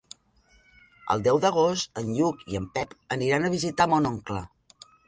El deu d'agost en Lluc i en Pep aniran a visitar mon oncle.